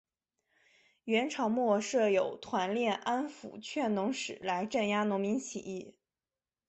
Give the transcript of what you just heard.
元朝末设有团练安辅劝农使来镇压农民起义。